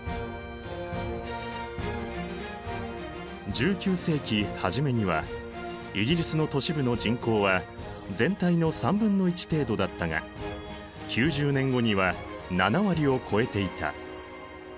１９世紀初めにはイギリスの都市部の人口は全体の1/3程度だったが９０年後には７割を超えていた。